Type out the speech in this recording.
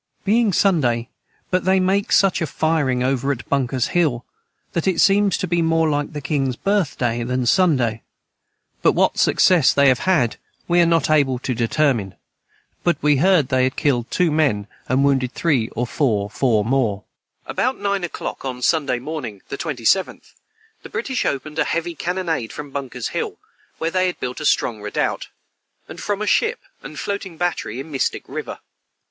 Being Sunday but they make such a fireing over at Bunkers hill that it seems to be more Like the Kings birth day than Sunday but what Sucksess they have had we are not able to determine but we heard that they killed too men and wounded 3 or 4 four more [Footnote 148: About nine o'clock on Sunday morning, the 27th, the British opened a heavy cannonade from Bunker's hill (where they had built a strong redoubt), and from a ship and floating battery in Mystic river.